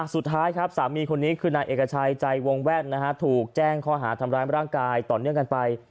สุดท้ายครับสามีคนนี้คือนายเอกชัยใจวงแว่นถูกแจ้งข้อหาทำร้ายร่างกายต่อเนื่องกันไป